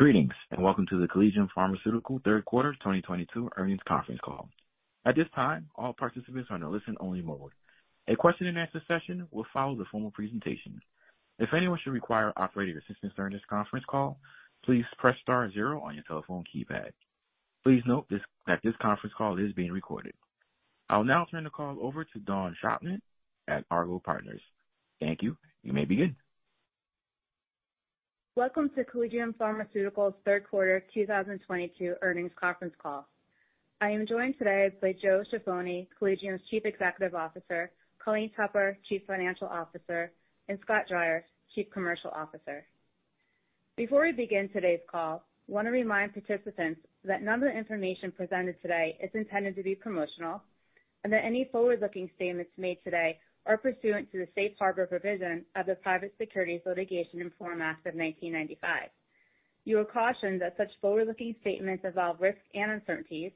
Greetings, and welcome to the Collegium Pharmaceutical Third Quarter 2022 Earnings Conference Call. At this time, all participants are in a listen-only mode. A question-and-answer session will follow the formal presentation. If anyone should require operator assistance during this conference call, please press star zero on your telephone keypad. Please note that this conference call is being recorded. I'll now turn the call over to Dawn Schottlandt at Argot Partners. Thank you. You may begin. Welcome to Collegium Pharmaceutical's Third Quarter 2022 Earnings Conference Call. I am joined today by Joseph Ciaffoni, Collegium's Chief Executive Officer, Colleen Tupper, Chief Financial Officer, and Scott Dreyer, Chief Commercial Officer. Before we begin today's call, I wanna remind participants that none of the information presented today is intended to be promotional, and that any forward-looking statements made today are pursuant to the safe harbor provisions of the Private Securities Litigation Reform Act of 1995. You are cautioned that such forward-looking statements involve risks and uncertainties,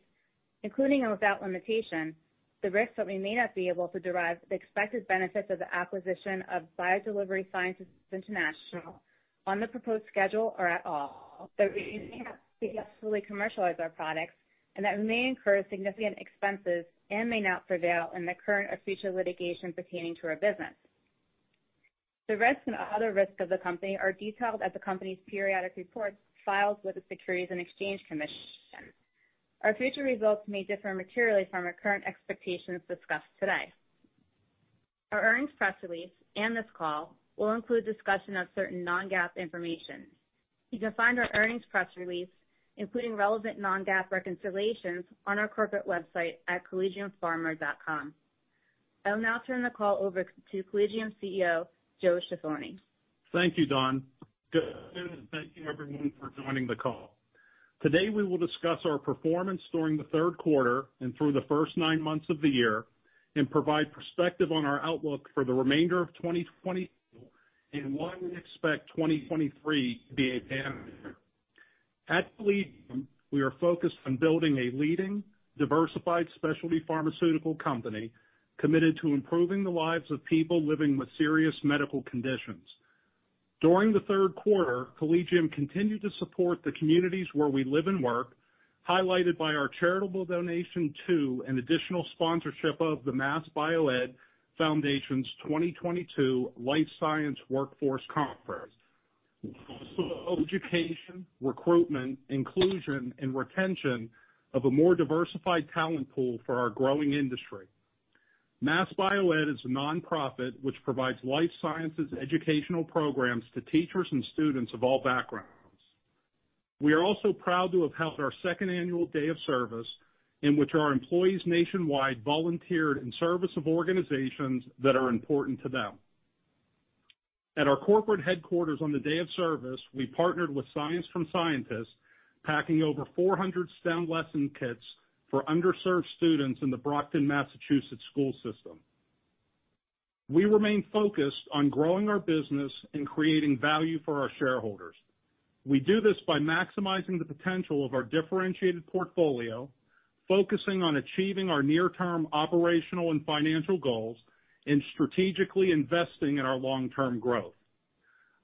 including and without limitation, the risk that we may not be able to derive the expected benefits of the acquisition of BioDelivery Sciences International on the proposed schedule or at all. That we may not be able to fully commercialize our products, and that we may incur significant expenses and may not prevail in the current or future litigation pertaining to our business. The risks and other risks of the company are detailed at the company's periodic reports filed with the Securities and Exchange Commission. Our future results may differ materially from our current expectations discussed today. Our earnings press release and this call will include discussion of certain non-GAAP information. You can find our earnings press release, including relevant non-GAAP reconciliations, on our corporate website at collegiumpharma.com. I'll now turn the call over to Collegium CEO, Joseph Ciaffoni. Thank you, Dawn. Good afternoon, and thank you everyone for joining the call. Today, we will discuss our performance during the third quarter and through the first nine months of the year and provide perspective on our outlook for the remainder of 2022 and why we expect 2023 to be a banner year. At Collegium, we are focused on building a leading diversified specialty Pharmaceutical company committed to improving the lives of people living with serious medical conditions. During the third quarter, Collegium continued to support the communities where we live and work, highlighted by our charitable donation to, and additional sponsorship of, the MassBioEd Foundation's 2022 Life Sciences Workforce Conference. Also education, recruitment, inclusion, and retention of a more diversified talent pool for our growing industry. MassBioEd is a nonprofit which provides life sciences educational programs to teachers and students of all backgrounds. We are also proud to have held our Second Annual Day of Service in which our employees nationwide volunteered in service of organizations that are important to them. At our corporate headquarters on the Day of Service, we partnered with Science from Scientists, packing over 400 STEM lesson kits for underserved students in the Brockton, Massachusetts, school system. We remain focused on growing our business and creating value for our shareholders. We do this by maximizing the potential of our differentiated portfolio, focusing on achieving our near-term operational and financial goals, and strategically investing in our long-term growth.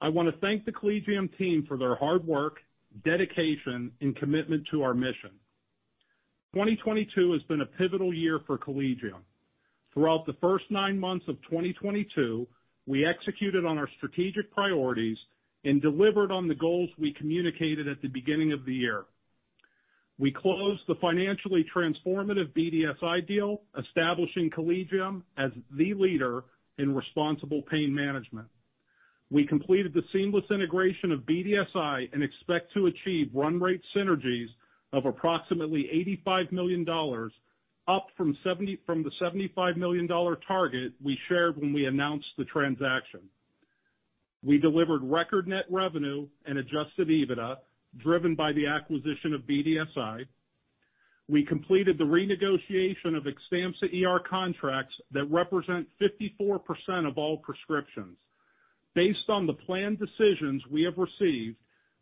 I wanna thank the Collegium team for their hard work, dedication, and commitment to our mission. 2022 has been a pivotal year for Collegium. Throughout the first nine months of 2022, we executed on our strategic priorities and delivered on the goals we communicated at the beginning of the year. We closed the financially transformative BDSI deal, establishing Collegium as the leader in responsible pain management. We completed the seamless integration of BDSI and expect to achieve run rate synergies of approximately $85 million, up from the $75 million target we shared when we announced the transaction. We delivered record net revenue and adjusted EBITDA, driven by the acquisition of BDSI. We completed the renegotiation of Xtampza ER contracts that represent 54% of all prescriptions. Based on the planned decisions we have received,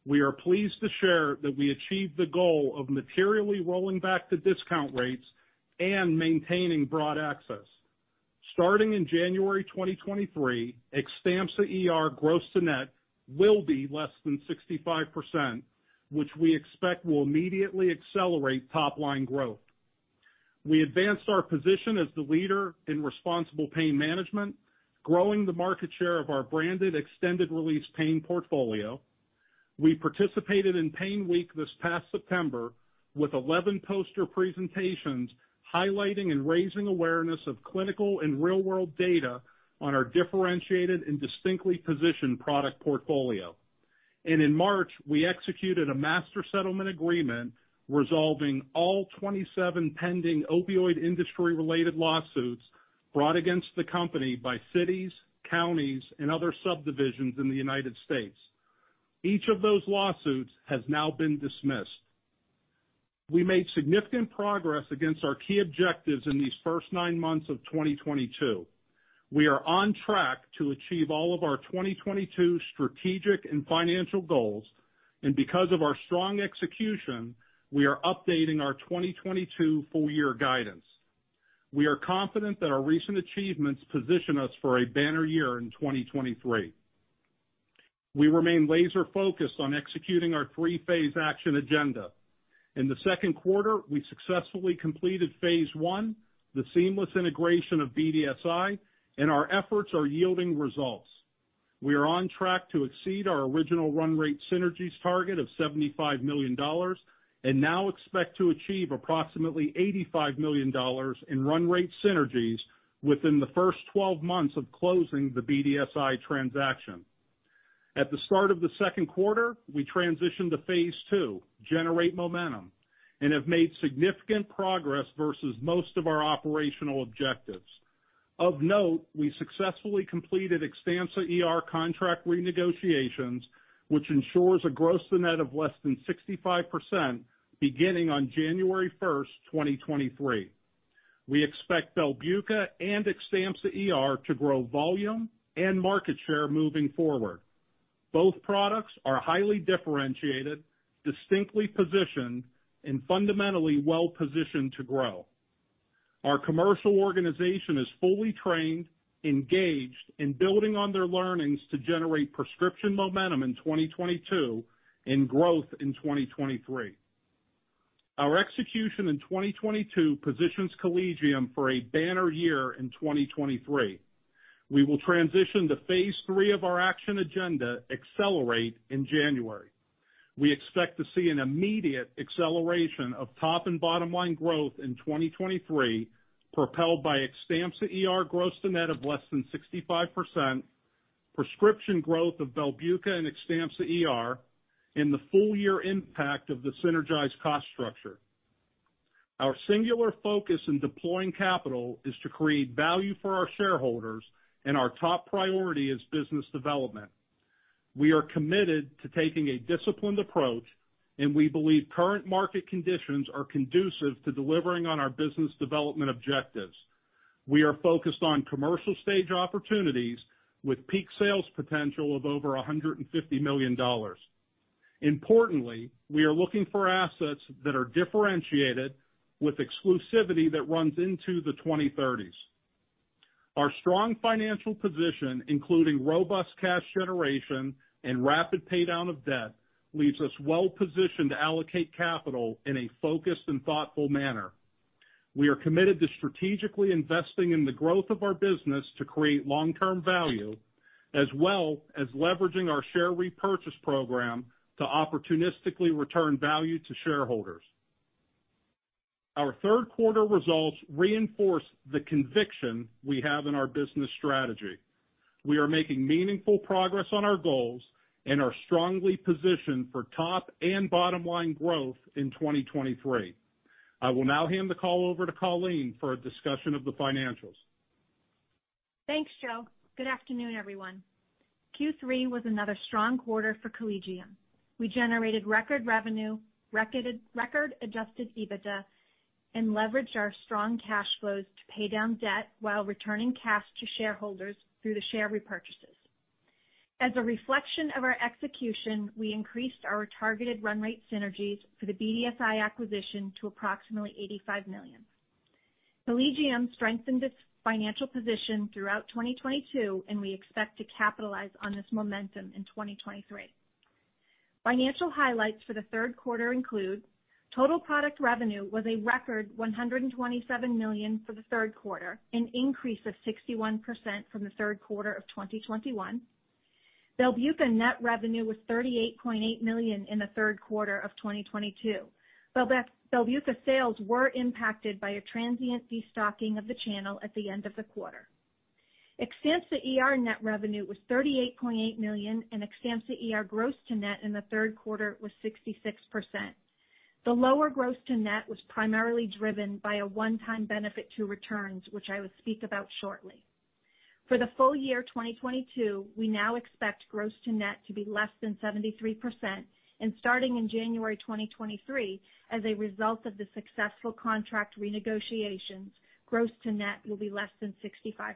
we are pleased to share that we achieved the goal of materially rolling back the discount rates and maintaining broad access. Starting in January 2023, Xtampza ER gross to net will be less than 65%, which we expect will immediately accelerate top-line growth. We advanced our position as the leader in responsible pain management, growing the market share of our branded extended release pain portfolio. We participated in PAINWeek this past September with 11 poster presentations highlighting and raising awareness of clinical and real-world data on our differentiated and distinctly positioned product portfolio. In March, we executed a master settlement agreement resolving all 27 pending opioid industry-related lawsuits brought against the company by cities, counties, and other subdivisions in the United States. Each of those lawsuits has now been dismissed. We made significant progress against our key objectives in these first nine months of 2022. We are on track to achieve all of our 2022 strategic and financial goals, and because of our strong execution, we are updating our 2022 full year guidance. We are confident that our recent achievements position us for a banner year in 2023. We remain laser-focused on executing our three-phase action agenda. In the second quarter, we successfully completed phase I, the seamless integration of BDSI, and our efforts are yielding results. We are on track to exceed our original run rate synergies target of $75 million, and now expect to achieve approximately $85 million in run rate synergies within the first twelve months of closing the BDSI transaction. At the start of the second quarter, we transitioned to phase II, generate momentum, and have made significant progress versus most of our operational objectives. Of note, we successfully completed Xtampza ER contract renegotiations, which ensures a gross-to-net of less than 65% beginning on January 01, 2023. We expect Belbuca and Xtampza ER to grow volume and market share moving forward. Both products are highly differentiated, distinctly positioned, and fundamentally well-positioned to grow. Our commercial organization is fully trained, engaged, and building on their learnings to generate prescription momentum in 2022 and growth in 2023. Our execution in 2022 positions Collegium for a banner year in 2023. We will transition to phase III of our action agenda, accelerate, in January. We expect to see an immediate acceleration of top and bottom line growth in 2023, propelled by Xtampza ER gross-to-net of less than 65%, prescription growth of Belbuca and Xtampza ER, and the full year impact of the synergized cost structure. Our singular focus in deploying capital is to create value for our shareholders, and our top priority is business development. We are committed to taking a disciplined approach, and we believe current market conditions are conducive to delivering on our business development objectives. We are focused on commercial stage opportunities with peak sales potential of over $150 million. Importantly, we are looking for assets that are differentiated with exclusivity that runs into the 2030s. Our strong financial position, including robust cash generation and rapid pay down of debt, leaves us well-positioned to allocate capital in a focused and thoughtful manner. We are committed to strategically investing in the growth of our business to create long-term value, as well as leveraging our share repurchase program to opportunistically return value to shareholders. Our third quarter results reinforce the conviction we have in our business strategy. We are making meaningful progress on our goals and are strongly positioned for top and bottom line growth in 2023. I will now hand the call over to Colleen for a discussion of the financials. Thanks, Joe. Good afternoon, everyone. Q3 was another strong quarter for Collegium. We generated record revenue, record adjusted EBITDA, and leveraged our strong cash flows to pay down debt while returning cash to shareholders through the share repurchases. As a reflection of our execution, we increased our targeted run rate synergies for the BDSI acquisition to approximately $85 million. Collegium strengthened its financial position throughout 2022, and we expect to capitalize on this momentum in 2023. Financial highlights for the third quarter include total product revenue was a record $127 million for the third quarter, an increase of 61% from the third quarter of 2021. Belbuca net revenue was $38.8 million in the third quarter of 2022. Belbuca sales were impacted by a transient destocking of the channel at the end of the quarter. Xtampza ER net revenue was $38.8 million, and Xtampza ER gross-to-net in the third quarter was 66%. The lower gross-to-net was primarily driven by a one-time benefit to returns, which I will speak about shortly. For the full year 2022, we now expect gross-to-net to be less than 73%. Starting in January 2023, as a result of the successful contract renegotiations, gross-to-net will be less than 65%.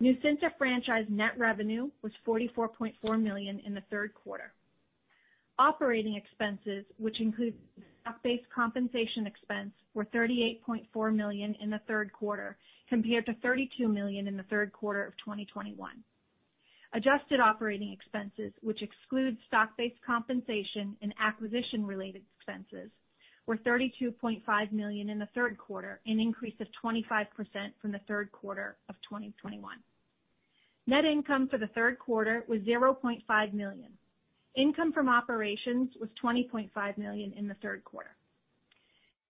Nucynta franchise net revenue was $44.4 million in the third quarter. Operating expenses, which include stock-based compensation expense, were $38.4 million in the third quarter, compared to $32 million in the third quarter of 2021. Adjusted operating expenses, which exclude stock-based compensation and acquisition-related expenses, were $32.5 million in the third quarter, an increase of 25% from the third quarter of 2021. Net income for the third quarter was $0.5 million. Income from operations was $20.5 million in the third quarter.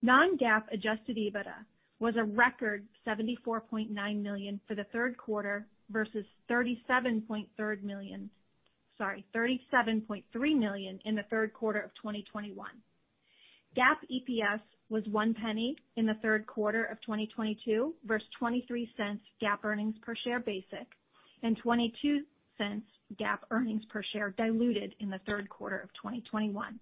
Non-GAAP adjusted EBITDA was a record $74.9 million for the third quarter versus $37.3 million in the third quarter of 2021. GAAP EPS was $0.01 in the third quarter of 2022 versus $0.23 GAAP earnings per share basic and $0.22 GAAP earnings per share diluted in the third quarter of 2021.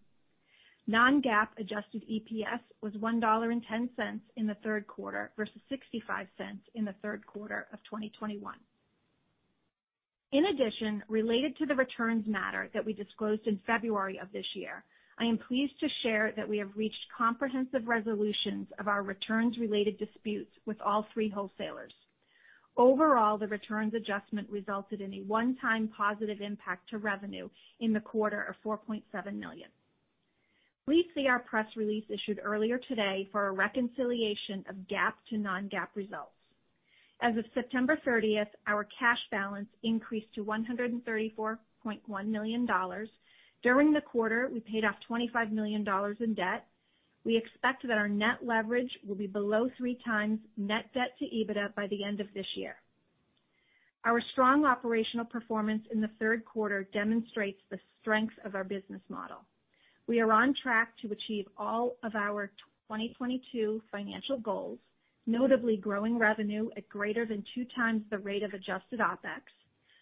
Non-GAAP adjusted EPS was $1.10 in the third quarter versus $0.65 in the third quarter of 2021. In addition, related to the returns matter that we disclosed in February of this year, I am pleased to share that we have reached comprehensive resolutions of our returns-related disputes with all three wholesalers. Overall, the returns adjustment resulted in a one-time positive impact to revenue in the quarter of $4.7 million. Please see our press release issued earlier today for a reconciliation of GAAP to non-GAAP results. As of September 30, our cash balance increased to $134.1 million. During the quarter, we paid off $25 million in debt. We expect that our net leverage will be below 3x net debt to EBITDA by the end of this year. Our strong operational performance in the third quarter demonstrates the strength of our business model. We are on track to achieve all of our 2022 financial goals, notably growing revenue at greater than 2 times the rate of adjusted OpEx.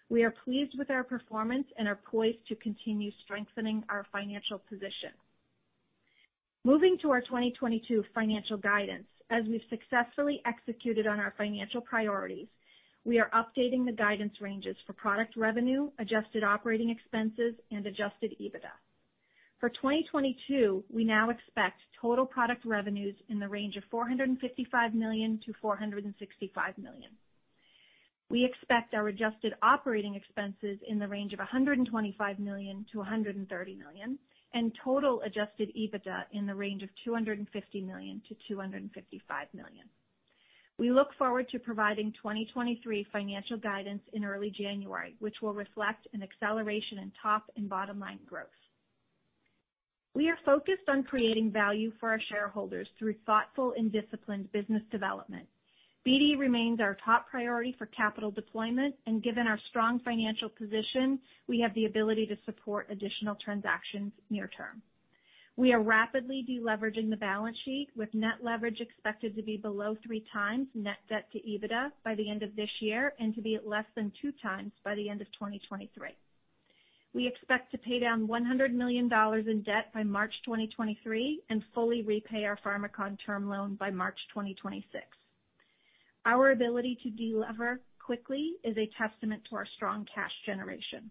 We are pleased with our performance and are poised to continue strengthening our financial position. Moving to our 2022 financial guidance, as we've successfully executed on our financial priorities, we are updating the guidance ranges for product revenue, adjusted operating expenses, and adjusted EBITDA. For 2022, we now expect total product revenues in the range of $455 million-$465 million. We expect our adjusted operating expenses in the range of $125 million-$130 million, and total adjusted EBITDA in the range of $250 million-$255 million. We look forward to providing 2023 financial guidance in early January, which will reflect an acceleration in top and bottom line growth. We are focused on creating value for our shareholders through thoughtful and disciplined business development. BD remains our top priority for capital deployment, and given our strong financial position, we have the ability to support additional transactions near term. We are rapidly de-leveraging the balance sheet, with net leverage expected to be below 3x net debt to EBITDA by the end of this year and to be at less than 2x by the end of 2023. We expect to pay down $100 million in debt by March 2023 and fully repay our Pharmakon term loan by March 2026. Our ability to de-lever quickly is a testament to our strong cash generation.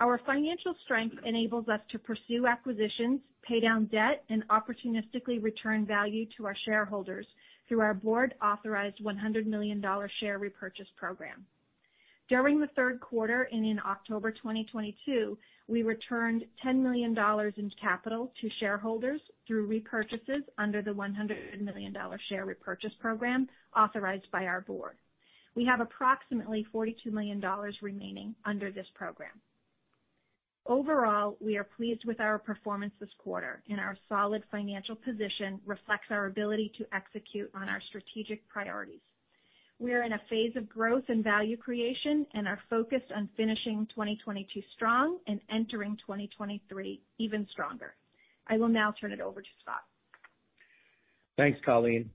Our financial strength enables us to pursue acquisitions, pay down debt, and opportunistically return value to our shareholders through our board-authorized $100 million share repurchase program. During the third quarter and in October 2022, we returned $10 million in capital to shareholders through repurchases under the $100 million share repurchase program authorized by our board. We have approximately $42 million remaining under this program. Overall, we are pleased with our performance this quarter, and our solid financial position reflects our ability to execute on our strategic priorities. We are in a phase of growth and value creation and are focused on finishing 2022 strong and entering 2023 even stronger. I will now turn it over to Scott. Thanks, Colleen.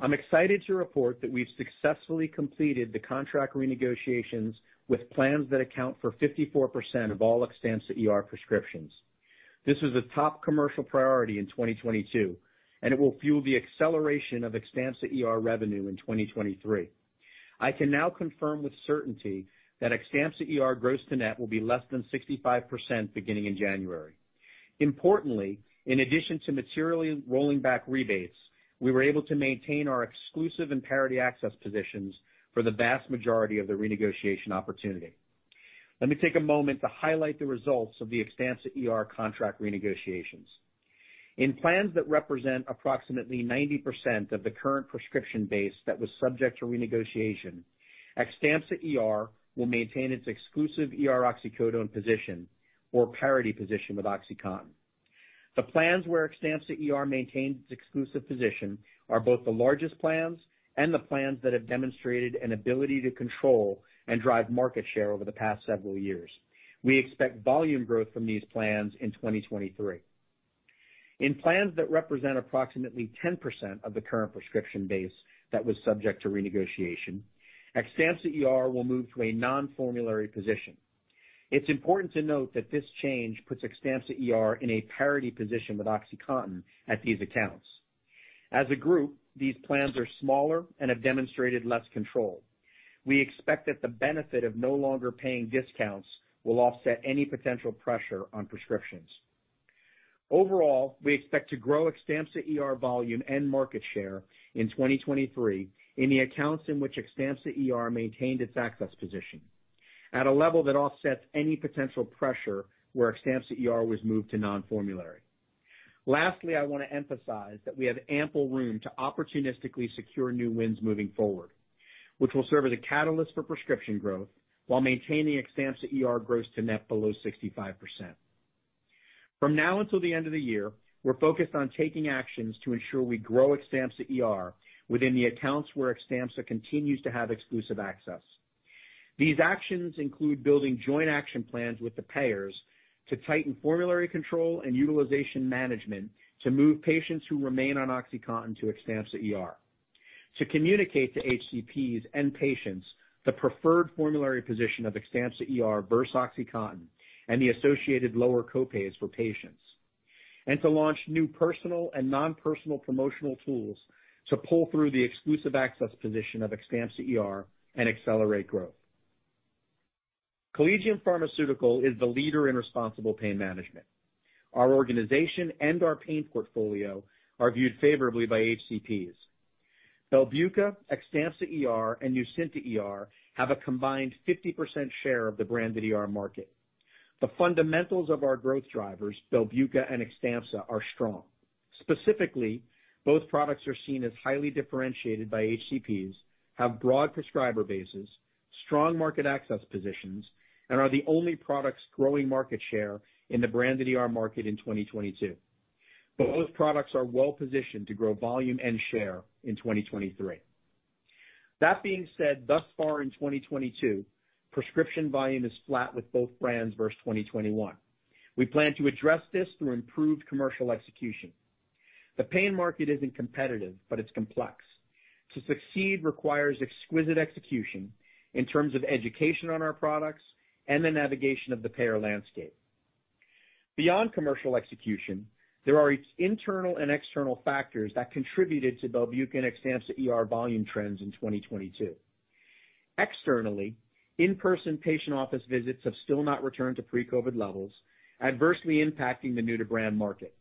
I'm excited to report that we've successfully completed the contract renegotiations with plans that account for 54% of all Xtampza ER prescriptions. This was a top commercial priority in 2022, and it will fuel the acceleration of Xtampza ER revenue in 2023. I can now confirm with certainty that Xtampza ER gross-to-net will be less than 65% beginning in January. Importantly, in addition to materially rolling back rebates, we were able to maintain our exclusive and parity access positions for the vast majority of the renegotiation opportunity. Let me take a moment to highlight the results of the Xtampza ER contract renegotiations. In plans that represent approximately 90% of the current prescription base that was subject to renegotiation, Xtampza ER will maintain its exclusive ER oxycodone position or parity position with OxyContin. The plans where Xtampza ER maintains its exclusive position are both the largest plans and the plans that have demonstrated an ability to control and drive market share over the past several years. We expect volume growth from these plans in 2023. In plans that represent approximately 10% of the current prescription base that was subject to renegotiation, Xtampza ER will move to a non-formulary position. It's important to note that this change puts Xtampza ER in a parity position with OxyContin at these accounts. As a group, these plans are smaller and have demonstrated less control. We expect that the benefit of no longer paying discounts will offset any potential pressure on prescriptions. Overall, we expect to grow Xtampza ER volume and market share in 2023 in the accounts in which Xtampza ER maintained its access position at a level that offsets any potential pressure where Xtampza ER was moved to non-formulary. Lastly, I wanna emphasize that we have ample room to opportunistically secure new wins moving forward, which will serve as a catalyst for prescription growth while maintaining Xtampza ER gross-to-net below 65%. From now until the end of the year, we're focused on taking actions to ensure we grow Xtampza ER within the accounts where Xtampza continues to have exclusive access. These actions include building joint action plans with the payers to tighten formulary control and utilization management to move patients who remain on OxyContin to Xtampza ER, to communicate to HCPs and patients the preferred formulary position of Xtampza ER versus OxyContin and the associated lower co-pays for patients. To launch new personal and non-personal promotional tools to pull through the exclusive access position of Xtampza ER and accelerate growth. Collegium Pharmaceutical is the leader in responsible pain management. Our organization and our pain portfolio are viewed favorably by HCPs. Belbuca, Xtampza ER, and Nucynta ER have a combined 50% share of the branded ER market. The fundamentals of our growth drivers, Belbuca and Xtampza, are strong. Specifically, both products are seen as highly differentiated by HCPs, have broad prescriber bases, strong market access positions, and are the only products growing market share in the branded ER market in 2022. Both products are well-positioned to grow volume and share in 2023. That being said, thus far in 2022, prescription volume is flat with both brands versus 2021. We plan to address this through improved commercial execution. The pain market isn't competitive, but it's complex. To succeed requires exquisite execution in terms of education on our products and the navigation of the payer landscape. Beyond commercial execution, there are internal and external factors that contributed to Belbuca and Xtampza ER volume trends in 2022. Externally, in-person patient office visits have still not returned to pre-COVID levels, adversely impacting the new-to-brand market.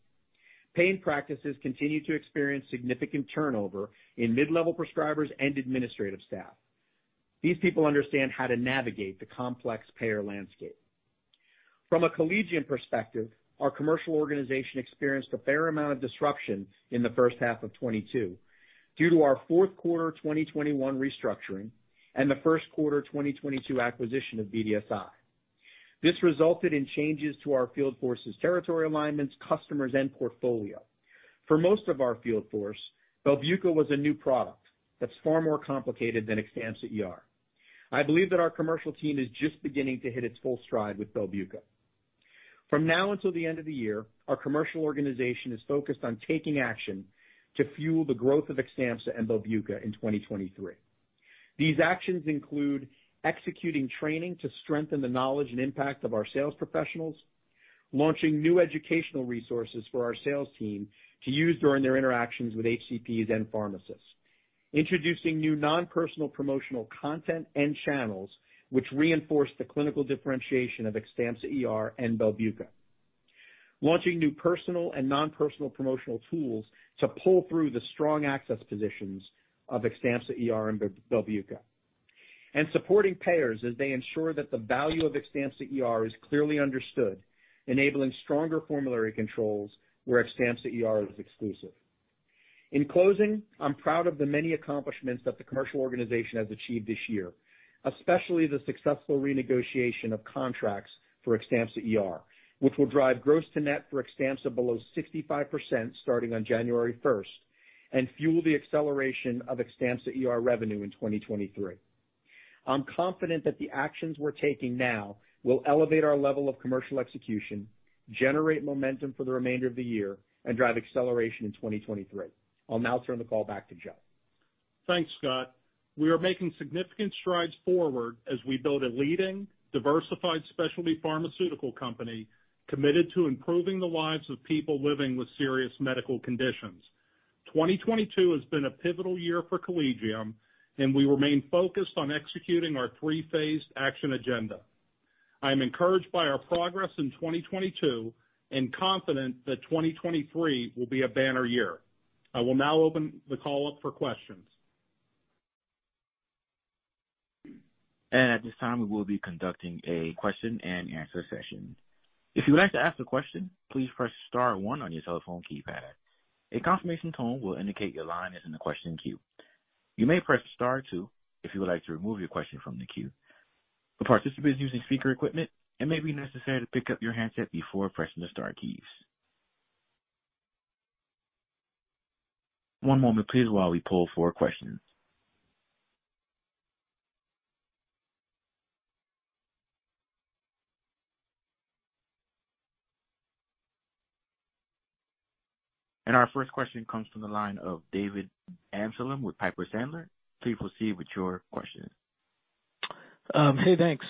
Pain practices continue to experience significant turnover in mid-level prescribers and administrative staff. These people understand how to navigate the complex payer landscape. From a Collegium perspective, our commercial organization experienced a fair amount of disruption in the first half of 2022 due to our fourth quarter 2021 restructuring and the first quarter 2022 acquisition of BDSI. This resulted in changes to our field force's territory alignments, customers, and portfolio. For most of our field force, Belbuca was a new product that's far more complicated than Xtampza ER. I believe that our commercial team is just beginning to hit its full stride with Belbuca. From now until the end of the year, our commercial organization is focused on taking action to fuel the growth of Xtampza and Belbuca in 2023. These actions include executing training to strengthen the knowledge and impact of our sales professionals, launching new educational resources for our sales team to use during their interactions with HCPs and pharmacists, introducing new non-personal promotional content and channels which reinforce the clinical differentiation of Xtampza ER and Belbuca, launching new personal and non-personal promotional tools to pull through the strong access positions of Xtampza ER and Belbuca, and supporting payers as they ensure that the value of Xtampza ER is clearly understood, enabling stronger formulary controls where Xtampza ER is exclusive. In closing, I'm proud of the many accomplishments that the commercial organization has achieved this year, especially the successful renegotiation of contracts for Xtampza ER, which will drive gross-to-net for Xtampza below 65% starting on January first and fuel the acceleration of Xtampza ER revenue in 2023. I'm confident that the actions we're taking now will elevate our level of commercial execution, generate momentum for the remainder of the year, and drive acceleration in 2023. I'll now turn the call back to Joe. Thanks, Scott. We are making significant strides forward as we build a leading, diversified specialty Pharmaceutical company committed to improving the lives of people living with serious medical conditions. 2022 has been a pivotal year for Collegium, and we remain focused on executing our three-phased action agenda. I am encouraged by our progress in 2022 and confident that 2023 will be a banner year. I will now open the call up for questions. At this time, we will be conducting a question-and-answer session. If you would like to ask a question, please press star one on your telephone keypad. A confirmation tone will indicate your line is in the question queue. You may press star two if you would like to remove your question from the queue. For participants using speaker equipment, it may be necessary to pick up your handset before pressing the star keys. One moment please, while we poll for questions. Our first question comes from the line of David Amsellem with Piper Sandler. Please proceed with your question. Hey, thanks.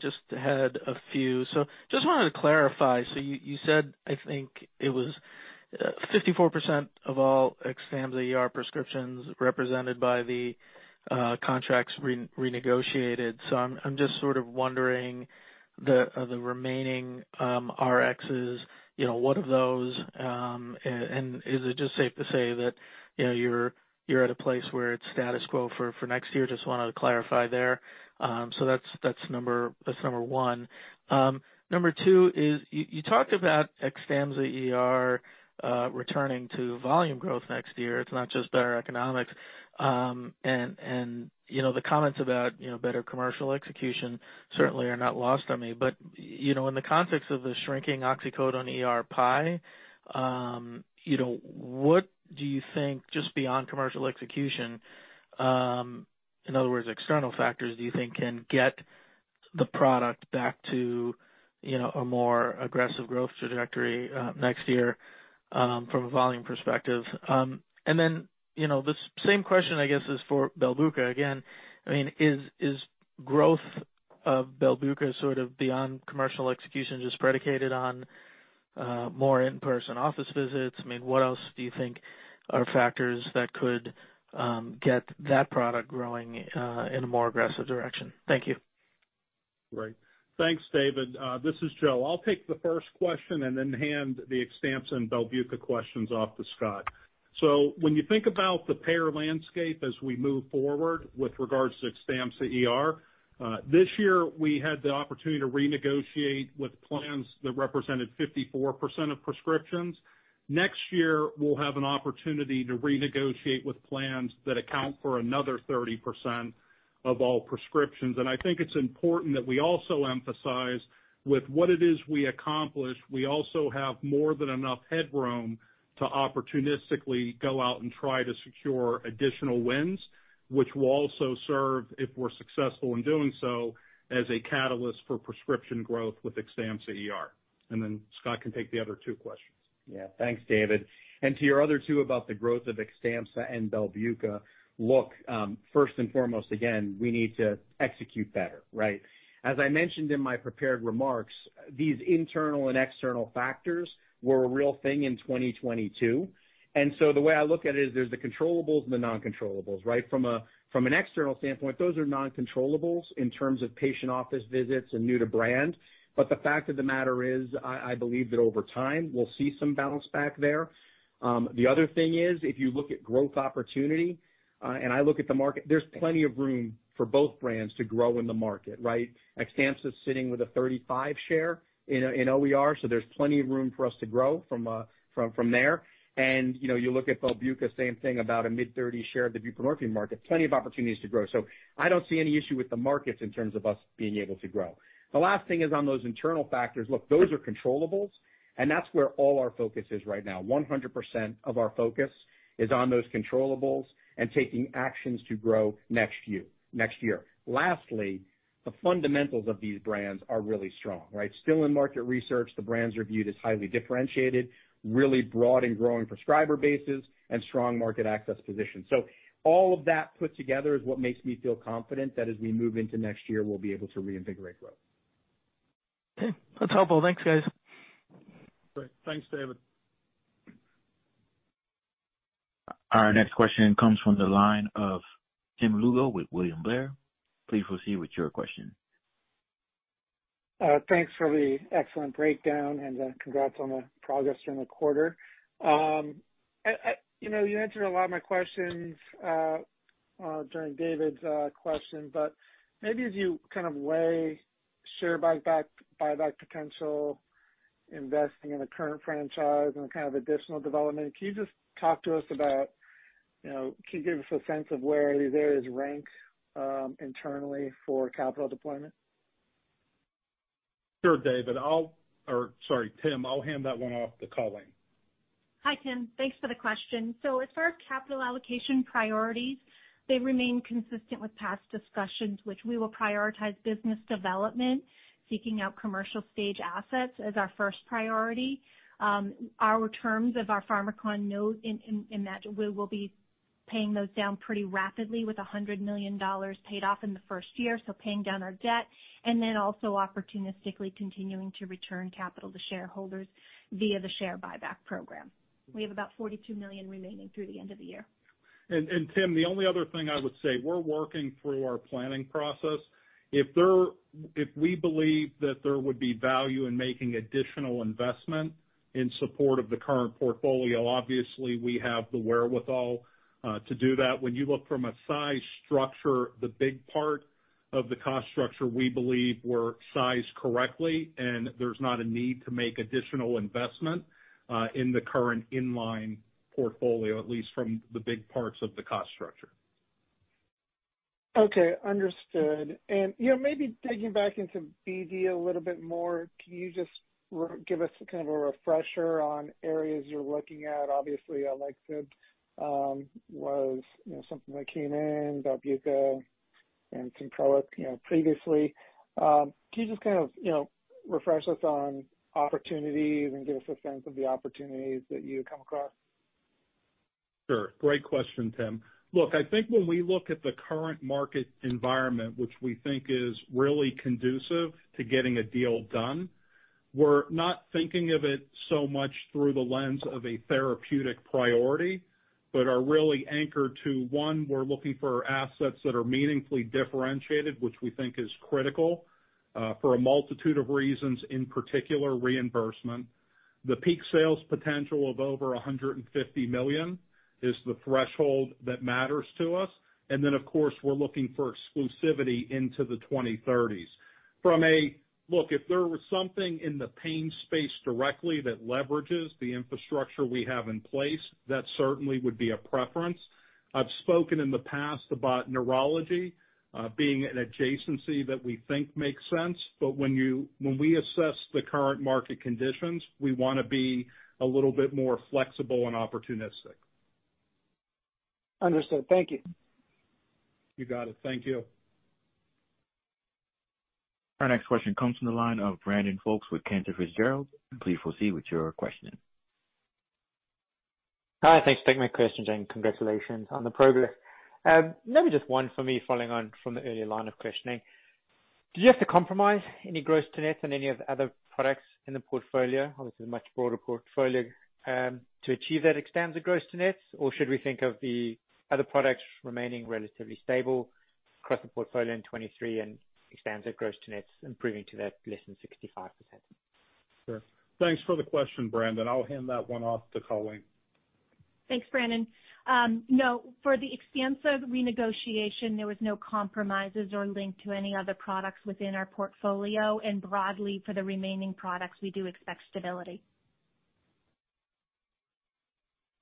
Just had a few. Just wanted to clarify, you said, I think it was 54% of all Xtampza ER prescriptions represented by the contracts re-renegotiated. I'm just sort of wondering the remaining RXs, you know, what of those, and is it just safe to say that, you know, you're at a place where it's status quo for next year? Just wanted to clarify there. That's number one. Number two is you talked about Xtampza ER returning to volume growth next year. It's not just better economics. You know, the comments about, you know, better commercial execution certainly are not lost on me. But you know, in the context of the shrinking oxycodone ER pie, you know, what do you think, just beyond commercial execution, in other words, external factors, do you think can get the product back to, you know, a more aggressive growth trajectory, next year? From a volume perspective. You know, the same question, I guess, is for Belbuca again. I mean, is growth of Belbuca sort of beyond commercial execution just predicated on more in-person office visits? I mean, what else do you think are factors that could get that product growing in a more aggressive direction? Thank you. Great. Thanks, David. This is Joe. I'll take the first question and then hand the Xtampza and Belbuca questions off to Scott. When you think about the payer landscape as we move forward with regards to Xtampza ER, this year, we had the opportunity to renegotiate with plans that represented 54% of prescriptions. Next year, we'll have an opportunity to renegotiate with plans that account for another 30% of all prescriptions. I think it's important that we also emphasize with what it is we accomplish, we also have more than enough headroom to opportunistically go out and try to secure additional wins, which will also serve, if we're successful in doing so, as a catalyst for prescription growth with Xtampza ER. Then Scott can take the other two questions. Yeah. Thanks, David. To your other two about the growth of Xtampza and Belbuca. Look, first and foremost, again, we need to execute better, right? As I mentioned in my prepared remarks, these internal and external factors were a real thing in 2022. The way I look at it is there's the controllables and the non-controllables, right? From an external standpoint, those are non-controllables in terms of patient office visits and new to brand. The fact of the matter is, I believe that over time, we'll see some bounce back there. The other thing is, if you look at growth opportunity, and I look at the market, there's plenty of room for both brands to grow in the market, right? Xtampza is sitting with a 35% share in the ER, so there's plenty of room for us to grow from there. You know, you look at Belbuca, same thing, about a mid-30% share of the buprenorphine market, plenty of opportunities to grow. I don't see any issue with the markets in terms of us being able to grow. The last thing is on those internal factors. Look, those are controllables, and that's where all our focus is right now. 100% of our focus is on those controllables and taking actions to grow next year. Lastly, the fundamentals of these brands are really strong, right? Still, in market research, the brands are viewed as highly differentiated, really broad and growing prescriber bases and strong market access position. All of that put together is what makes me feel confident that as we move into next year, we'll be able to reinvigorate growth. Okay, that's helpful. Thanks, guys. Great. Thanks, David. Our next question comes from the line of Tim Lugo with William Blair. Please proceed with your question. Thanks for the excellent breakdown and congrats on the progress during the quarter. You know, you answered a lot of my questions during David's question, but maybe as you kind of weigh share buyback potential, investing in the current franchise and kind of additional development, can you just talk to us about, you know, can you give us a sense of where these areas rank internally for capital deployment? Sure, David. Or sorry, Tim. I'll hand that one off to Colleen. Hi, Tim. Thanks for the question. As far as capital allocation priorities, they remain consistent with past discussions, which we will prioritize business development, seeking out commercial stage assets as our first priority. In terms of our Pharmakon note in that we will be paying those down pretty rapidly with $100 million paid off in the first year, so paying down our debt, and then also opportunistically continuing to return capital to shareholders via the share buyback program. We have about $42 million remaining through the end of the year. Tim, the only other thing I would say, we're working through our planning process. If we believe that there would be value in making additional investment in support of the current portfolio, obviously we have the wherewithal to do that. When you look from a size and structure, the big part of the cost structure, we believe we're sized correctly, and there's not a need to make additional investment in the current in-line portfolio, at least from the big parts of the cost structure. Okay, understood. You know, maybe digging back into BD a little bit more, can you just give us kind of a refresher on areas you're looking at? Obviously, Alexion was, you know, something that came in, Belbuca and Symproic, you know, previously. Can you just kind of, you know, refresh us on opportunities and give us a sense of the opportunities that you come across? Sure. Great question, Tim. Look, I think when we look at the current market environment, which we think is really conducive to getting a deal done, we're not thinking of it so much through the lens of a therapeutic priority, but are really anchored to, one, we're looking for assets that are meaningfully differentiated, which we think is critical, for a multitude of reasons, in particular reimbursement. The peak sales potential of over $150 million is the threshold that matters to us. Then of course, we're looking for exclusivity into the 2030s. Look, if there was something in the pain space directly that leverages the infrastructure we have in place, that certainly would be a preference. I've spoken in the past about neurology, being an adjacency that we think makes sense. When we assess the current market conditions, we wanna be a little bit more flexible and opportunistic. Understood. Thank you. You got it. Thank you. Our next question comes from the line of Brandon Folkes with Cantor Fitzgerald. Please proceed with your question. Hi, thanks for taking my question, Joe, and congratulations on the progress. Maybe just one for me following on from the earlier line of questioning. Did you have to compromise any gross-to-nets in any of the other products in the portfolio, obviously a much broader portfolio, to achieve that Xtampza gross-to-nets, or should we think of the other products remaining relatively stable across the portfolio in 2023 and Xtampza gross-to-nets improving to that less than 65%? Sure. Thanks for the question, Brandon. I'll hand that one off to Colleen. Thanks, Brandon. No, for the Xtampza renegotiation, there was no compromises or link to any other products within our portfolio. Broadly, for the remaining products, we do expect stability.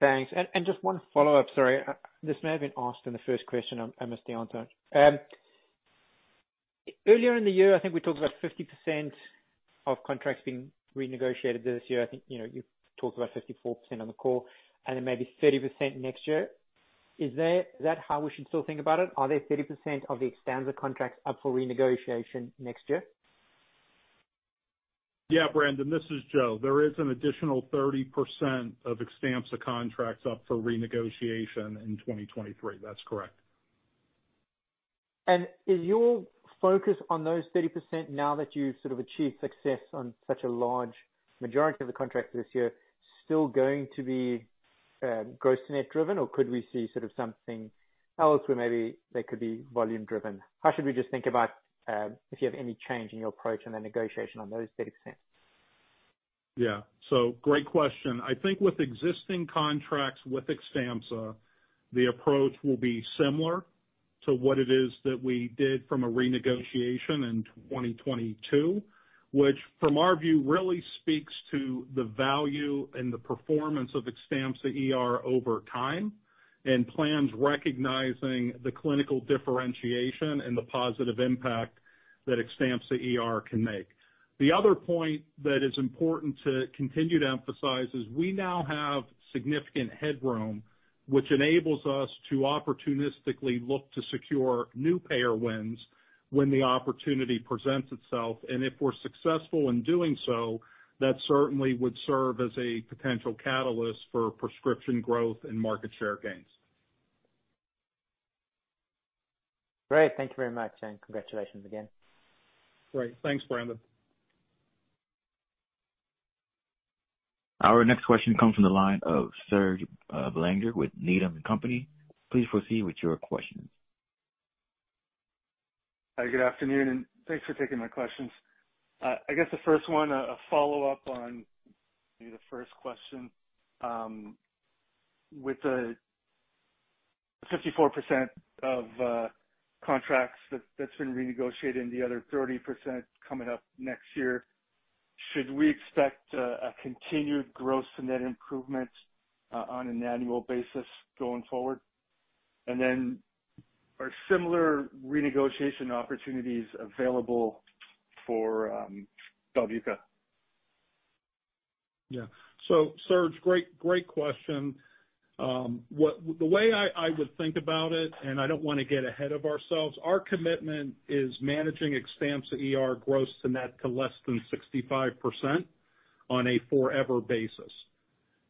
Thanks. Just one follow-up. Sorry, this may have been asked in the first question. I missed the answer. Earlier in the year, I think we talked about 50% of contracts being renegotiated this year. I think, you know, you talked about 54% on the call and then maybe 30% next year. Is that how we should still think about it? Are there 30% of the Xtampza contracts up for renegotiation next year? Yeah, Brandon, this is Joe. There is an additional 30% of Xtampza contracts up for renegotiation in 2023. That's correct. Is your focus on those 30% now that you've sort of achieved success on such a large majority of the contracts this year still going to be gross-to-net driven, or could we see sort of something else where maybe they could be volume driven? How should we just think about if you have any change in your approach in the negotiation on those 30%? Yeah. Great question. I think with existing contracts with Xtampza, the approach will be similar to what it is that we did from a renegotiation in 2022, which from our view, really speaks to the value and the performance of Xtampza ER over time and plans recognizing the clinical differentiation and the positive impact that Xtampza ER can make. The other point that is important to continue to emphasize is we now have significant headroom, which enables us to opportunistically look to secure new payer wins when the opportunity presents itself. If we're successful in doing so, that certainly would serve as a potential catalyst for prescription growth and market share gains. Great. Thank you very much, and congratulations again. Great. Thanks, Brandon. Our next question comes from the line of Serge Belanger with Needham & Company. Please proceed with your question. Hi, good afternoon, and thanks for taking my questions. I guess the first one, a follow-up on maybe the first question. With the 54% of contracts that's been renegotiated and the other 30% coming up next year, should we expect a continued gross-to-net improvement on an annual basis going forward? Are similar renegotiation opportunities available for Belbuca? Yeah. Serge, great question. The way I would think about it, and I don't wanna get ahead of ourselves, our commitment is managing Xtampza ER gross-to-net to less than 65% on a forever basis.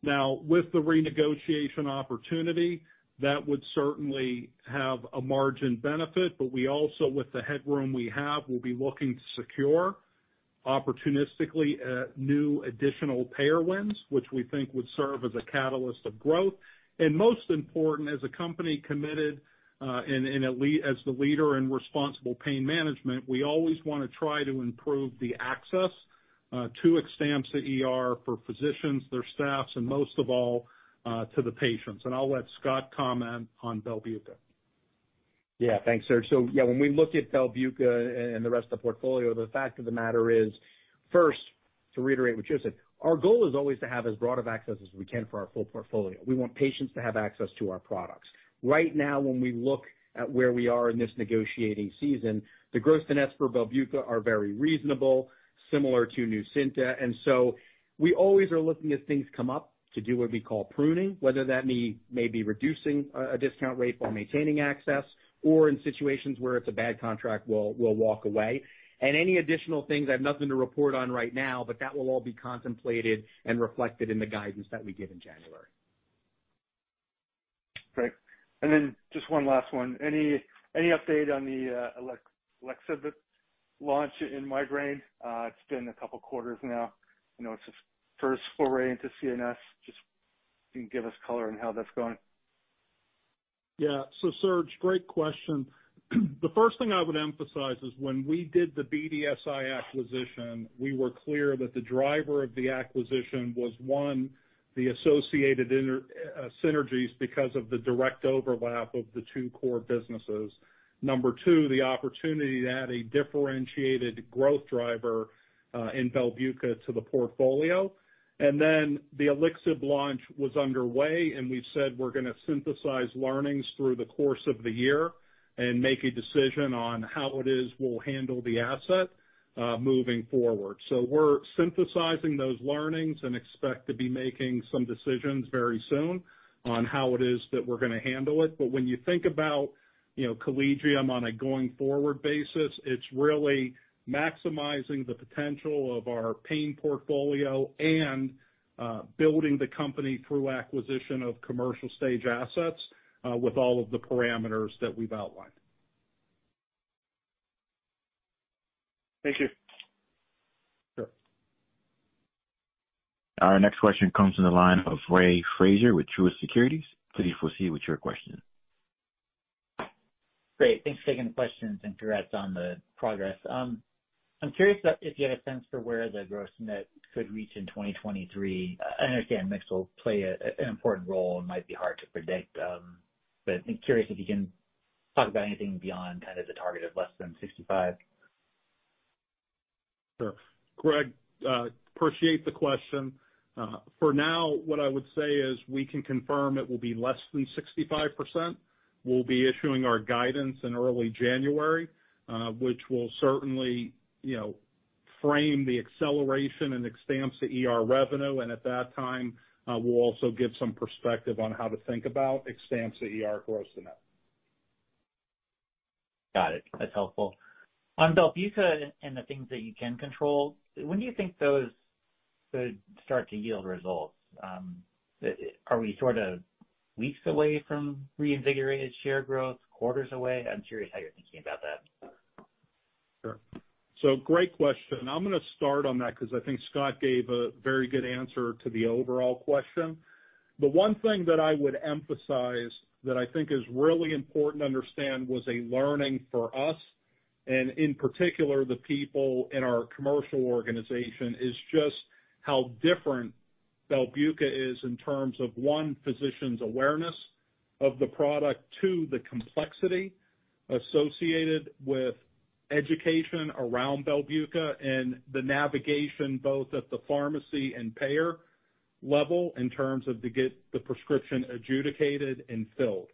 Now, with the renegotiation opportunity, that would certainly have a margin benefit, but we also, with the headroom we have, will be looking to secure opportunistically new additional payer wins, which we think would serve as a catalyst of growth. Most important, as a company committed, as the leader in responsible pain management, we always wanna try to improve the access to Xtampza ER for physicians, their staffs, and most of all, to the patients. I'll let Scott comment on Belbuca. Yeah. Thanks, Serge. Yeah, when we look at Belbuca and the rest of the portfolio, the fact of the matter is, first, to reiterate what Joe said, our goal is always to have as broad of access as we can for our full portfolio. We want patients to have access to our products. Right now, when we look at where we are in this negotiating season, the gross-to-net for Belbuca are very reasonable, similar to Nucynta. We always are looking, as things come up, to do what we call pruning, whether that mean maybe reducing a discount rate while maintaining access or in situations where it's a bad contract, we'll walk away. Any additional things, I have nothing to report on right now, but that will all be contemplated and reflected in the guidance that we give in January. Great. Then just one last one. Any update on the Elyxyb launch in migraine? It's been a couple quarters now. You know, it's its first foray into CNS. Just can you give us color on how that's going? Yeah. Serge, great question. The first thing I would emphasize is when we did the BDSI acquisition, we were clear that the driver of the acquisition was, one, the associated synergies because of the direct overlap of the two core businesses. Number two, the opportunity to add a differentiated growth driver in Belbuca to the portfolio. The Elyxyb launch was underway, and we've said we're gonna synthesize learnings through the course of the year and make a decision on how it is we'll handle the asset moving forward. We're synthesizing those learnings and expect to be making some decisions very soon on how it is that we're gonna handle it. When you think about you know, Collegium on a going forward basis. It's really maximizing the potential of our pain portfolio and building the company through acquisition of commercial stage assets with all of the parameters that we've outlined. Thank you. Sure. Our next question comes from the line of Greg Fraser with Truist Securities. Please proceed with your question. Great. Thanks for taking the questions, and congrats on the progress. I'm curious if you had a sense for where the gross-to-net could reach in 2023. I understand mix will play an important role and might be hard to predict. I'm curious if you can talk about anything beyond kind of the target of less than 65%. Sure. Greg, appreciate the question. For now, what I would say is we can confirm it will be less than 65%. We'll be issuing our guidance in early January, which will certainly, you know, frame the acceleration and Xtampza ER revenue. At that time, we'll also give some perspective on how to think about Xtampza ER gross-to-net. Got it. That's helpful. On Belbuca and the things that you can control, when do you think those could start to yield results? Are we sort of weeks away from reinvigorated share growth, quarters away? I'm curious how you're thinking about that. Great question. I'm gonna start on that 'cause I think Scott gave a very good answer to the overall question. The one thing that I would emphasize that I think is really important to understand was a learning for us, and in particular, the people in our commercial organization, is just how different Belbuca is in terms of, one, physicians' awareness of the product. Two, the complexity associated with education around Belbuca and the navigation both at the pharmacy and payer level in terms of to get the prescription adjudicated and filled.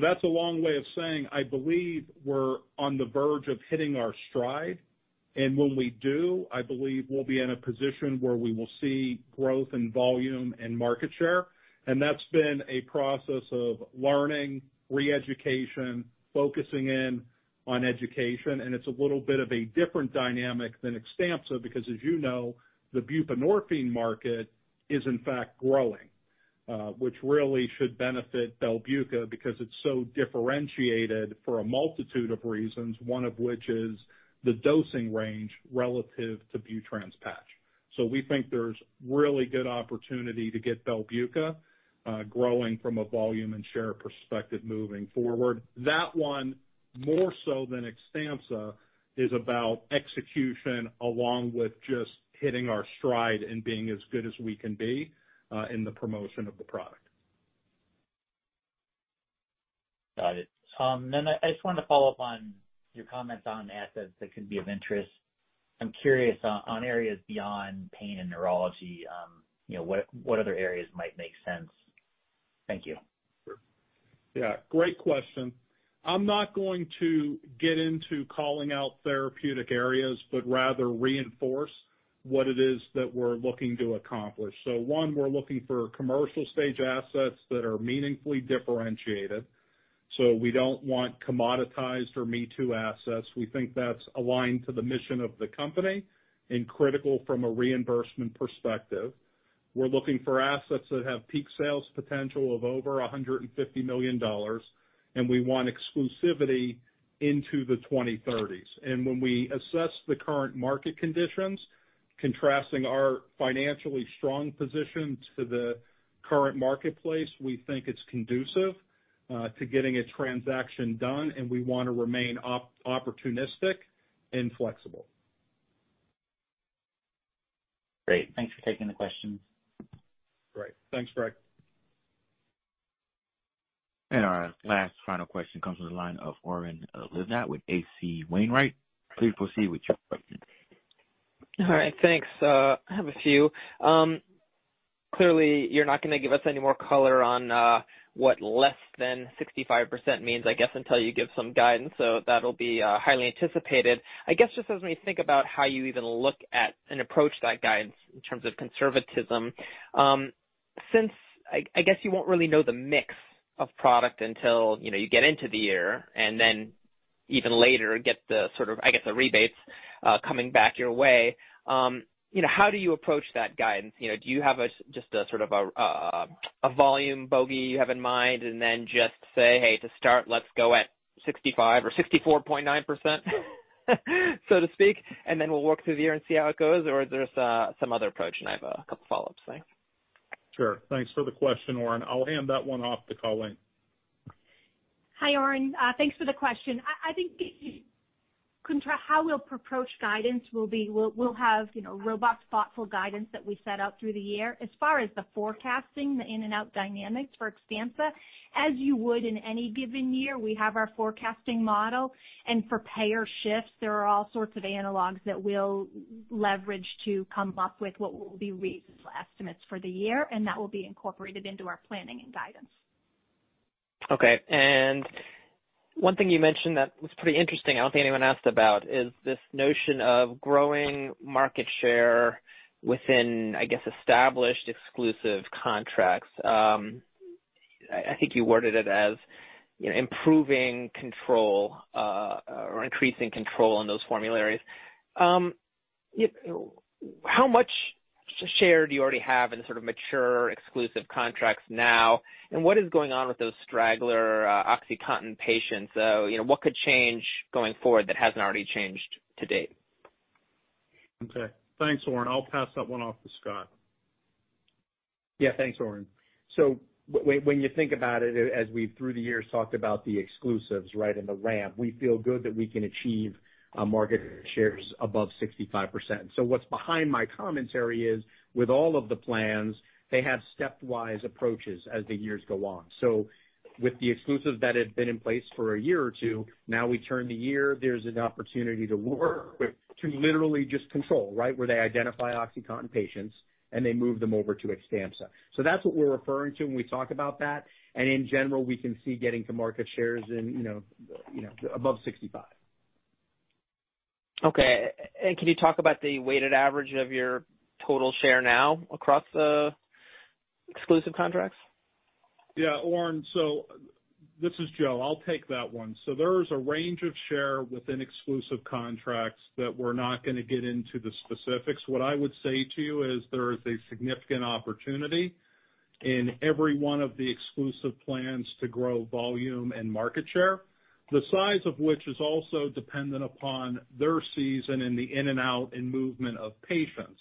That's a long way of saying I believe we're on the verge of hitting our stride. When we do, I believe we'll be in a position where we will see growth and volume and market share. That's been a process of learning, re-education, focusing in on education. It's a little bit of a different dynamic than Xtampza because as you know, the buprenorphine market is in fact growing, which really should benefit Belbuca because it's so differentiated for a multitude of reasons, one of which is the dosing range relative to Butrans patch. We think there's really good opportunity to get Belbuca growing from a volume and share perspective moving forward. That one, more so than Xtampza, is about execution along with just hitting our stride and being as good as we can be in the promotion of the product. Got it. I just wanted to follow up on your comments on assets that could be of interest. I'm curious on areas beyond pain and neurology, you know, what other areas might make sense? Thank you. Sure. Yeah, great question. I'm not going to get into calling out therapeutic areas, but rather reinforce what it is that we're looking to accomplish. One, we're looking for commercial stage assets that are meaningfully differentiated. We don't want commoditized or me-too assets. We think that's aligned to the mission of the company and critical from a reimbursement perspective. We're looking for assets that have peak sales potential of over $150 million, and we want exclusivity into the 2030s. When we assess the current market conditions, contrasting our financially strong position to the current marketplace, we think it's conducive to getting a transaction done, and we wanna remain opportunistic and flexible. Great. Thanks for taking the questions. Great. Thanks, Greg. Our last final question comes from the line of Oren Livnat with H.C. Wainwright. Please proceed with your question. All right, thanks. I have a few. Clearly, you're not gonna give us any more color on what less than 65% means, I guess, until you give some guidance. That'll be highly anticipated. I guess, just as we think about how you even look at and approach that guidance in terms of conservatism, since I guess you won't really know the mix of product until you know you get into the year and then even later get the sort of, I guess, the rebates coming back your way, you know, how do you approach that guidance? You know, do you have just a sort of a volume bogey you have in mind and then just say, "Hey, to start let's go at 65 or 64.9%," so to speak, and then we'll work through the year and see how it goes? Or there's some other approach? I have a couple follow-ups. Thanks. Sure. Thanks for the question, Oren. I'll hand that one off to Colleen. Hi, Oren. Thanks for the question. I think how we'll approach guidance will be, we'll have, you know, robust, thoughtful guidance that we set out through the year. As far as the forecasting, the in and out dynamics for Xtampza, as you would in any given year, we have our forecasting model. For payer shifts, there are all sorts of analogs that we'll leverage to come up with what will be reasonable estimates for the year, and that will be incorporated into our planning and guidance. Okay. One thing you mentioned that was pretty interesting, I don't think anyone asked about, is this notion of growing market share within, I guess, established exclusive contracts. I think you worded it as, you know, improving control or increasing control on those formularies. How much share do you already have in sort of mature exclusive contracts now? What is going on with those straggler OxyContin patients? You know, what could change going forward that hasn't already changed to date? Okay. Thanks, Oren. I'll pass that one off to Scott. Yeah, thanks, Oren. When you think about it, as we through the years talked about the exclusives, right, and the ramp, we feel good that we can achieve market shares above 65%. What's behind my commentary is, with all of the plans, they have stepwise approaches as the years go on. With the exclusive that had been in place for a year or two, now we turn the year, there's an opportunity to work with, to literally just control, right? Where they identify OxyContin patients, and they move them over to Xtampza. That's what we're referring to when we talk about that. In general, we can see getting to market shares, you know, above 65%. Okay. Can you talk about the weighted average of your total share now across the exclusive contracts? Yeah, Oren. This is Joe, I'll take that one. There's a range of share within exclusive contracts that we're not gonna get into the specifics. What I would say to you is there is a significant opportunity in every one of the exclusive plans to grow volume and market share, the size of which is also dependent upon their season in the in and out and movement of patients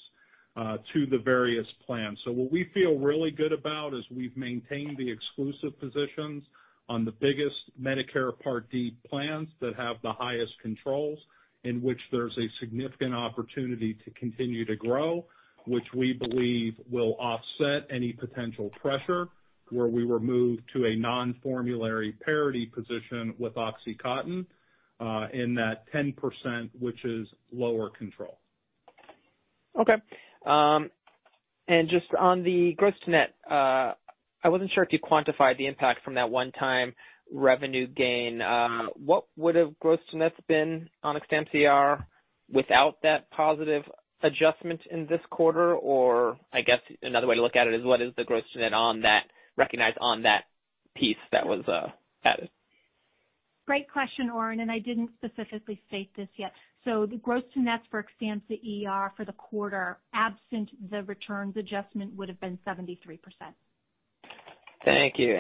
to the various plans. What we feel really good about is we've maintained the exclusive positions on the biggest Medicare Part D plans that have the highest controls, in which there's a significant opportunity to continue to grow, which we believe will offset any potential pressure where we were moved to a non-formulary parity position with OxyContin in that 10%, which is lower control. Okay. Just on the gross-to-net, I wasn't sure if you quantified the impact from that one-time revenue gain. What would a gross-to-net been on Xtampza ER without that positive adjustment in this quarter? I guess another way to look at it is what is the gross-to-net recognized on that piece that was added? Great question, Oren, and I didn't specifically state this yet. The gross to nets for Xtampza ER for the quarter, absent the returns adjustment, would have been 73%. Thank you.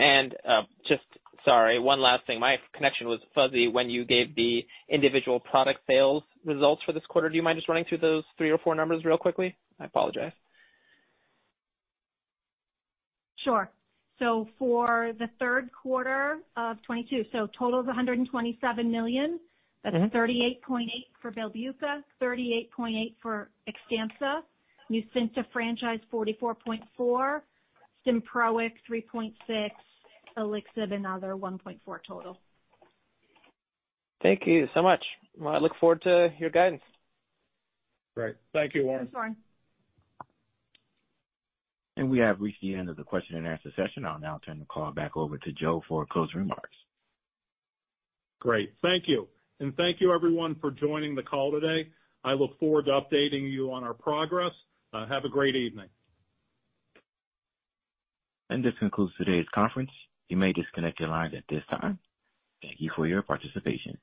Sorry, one last thing. My connection was fuzzy when you gave the individual product sales results for this quarter. Do you mind just running through those three or four numbers real quickly? I apologize. Sure. For the third quarter of 2022, so total is $127 million. Mm-hmm. That is $38.8 for Belbuca, $38.8 for Xtampza, Nucynta franchise $44.4, Symproic $3.6, Elyxyb and other $1.4 total. Thank you so much. Well, I look forward to your guidance. Great. Thank you, Oren. Thanks, Oren. We have reached the end of the question and answer session. I'll now turn the call back over to Joe for closing remarks. Great. Thank you. Thank you everyone for joining the call today. I look forward to updating you on our progress. Have a great evening. This concludes today's conference. You may disconnect your lines at this time. Thank you for your participation.